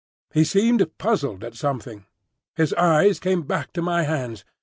He seemed puzzled at something. His eyes came back to my hands.